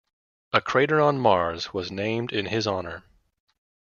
A crater on Mars was named in his honour.